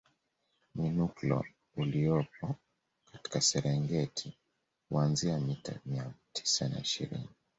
Mwinuklo uliopo katika Serengeti huanzia mita mia tisa na ishirini